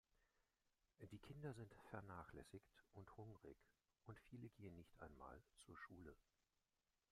Die Kinder sind vernachlässigt und hungrig und viele gehen nicht einmal zur Schule.